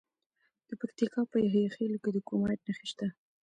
د پکتیکا په یحیی خیل کې د کرومایټ نښې شته.